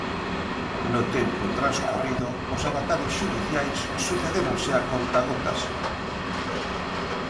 No tempo transcorrido os avatares xudiciais sucedéronse a contagotas.